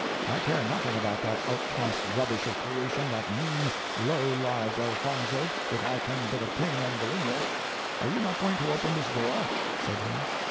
I care nothing about that outcast rubbish of creation, that mean, low lived Elfonzo, if I can but obtain Ambulinia. Are you not going to open this door?" said he.